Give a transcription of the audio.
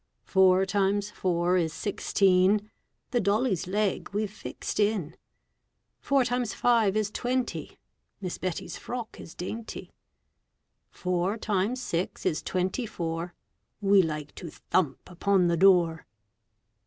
Four times four is sixteen. The dolly's leg we've fixed in. Four times five is twenty, Miss Betty's frock is dainty. Four times six is twenty four. We like to thump upon the door.